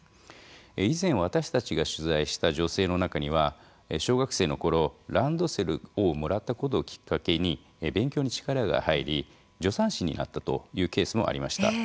以前私たちが取材した女性の中には小学生の頃ランドセルをもらったことをきっかけに勉強に力が入り助産師になったというケースもありました。